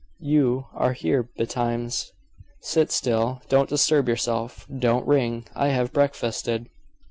You are here betimes." "Sit still; don't disturb yourself. Don't ring; I have breakfasted."